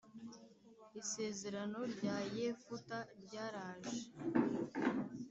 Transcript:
isezerano rya yefuta ryaraje